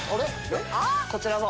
こちらも。